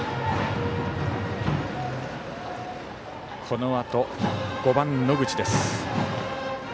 このあと５番、野口です。